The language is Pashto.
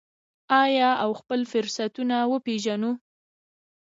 آیا او خپل فرصتونه وپیژنو؟